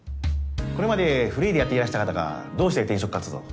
これまでフリーでやっていらした方がどうして転職活動を？